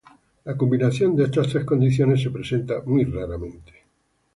La combinación de estas tres condiciones se presenta muy raramente.